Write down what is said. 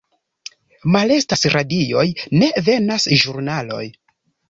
Malestas radioj, ne venas ĵurnaloj.